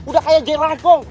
udah kayak jay lakong